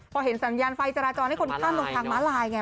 พอเห็นสัญญาณไฟจราจรให้คนข้ามลงทางม้าลายไง